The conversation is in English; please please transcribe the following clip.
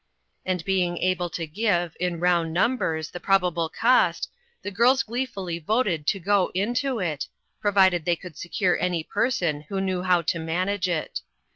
And being able to give in round numbers the probable cost, the girls gleeful \y voted to "go into it,'* provided they could secure any person who knew how to manage it.